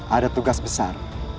ada tugas besar